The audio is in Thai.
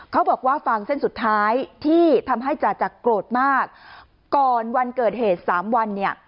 เขาบอกว่าฟังเส้นสุดท้ายที่ทำให้จาจากโกรธมากก่อนวันเกิดเหตุ๓วันเนี่ย